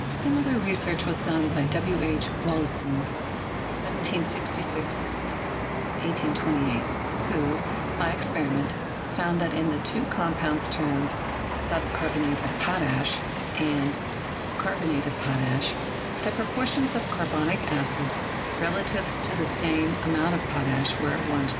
Similar research was done by W. H. Wollaston (1766 1828), who, by experiment, found that in the two com pounds termed "subcarbonate of potash" and "carbon ate of potash," the proportions of carbonic acid relatively to the same amount of potash were as 1:2.